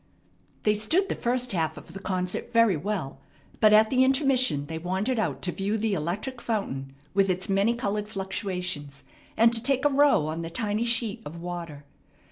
They stood the first half of the concert very well, but at the intermission they wandered out to view the electric fountain with its many colored fluctuations, and to take a row on the tiny sheet of water.